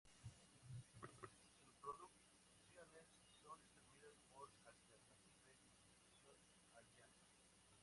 Sus producciones son distribuidas por Alternative Distribution Alliance.